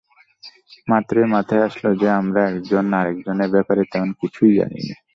মাত্রই মাথায় আসলো যে আমরা একজন আরেকজনের ব্যাপারে তেমন কিছুই জানি না!